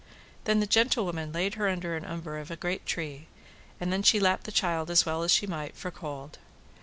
Then the gentlewoman laid her under an umbre of a great tree, and then she lapped the child as well as she might for cold.